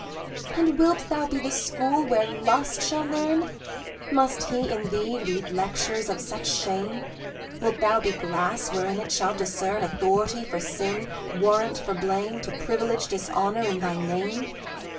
'And wilt thou be the school where Lust shall learn? Must he in thee read lectures of such shame? Wilt thou be glass wherein it shall discern Authority for sin, warrant for blame, To privilege dishonour in thy name?